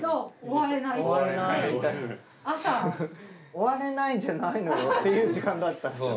終われないじゃないのよっていう時間だったんですよ。